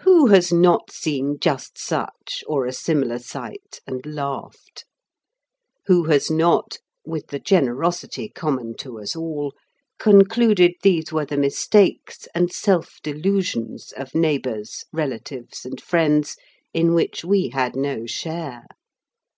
Who has not seen just such, or a similar sight, and laughed? Who has not, with the generosity common to us all, concluded these were the mistakes and self delusions of neighbors, relatives, and friends, in which we had no share?